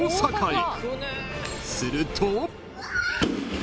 ［すると］